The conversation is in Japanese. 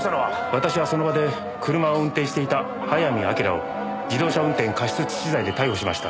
私はその場で車を運転していた早見明を自動車運転過失致死罪で逮捕しました。